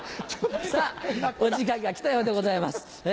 さぁお時間が来たようでございます。